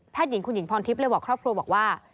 หญิงคุณหญิงพรทิพย์เลยบอกครอบครัวบอกว่า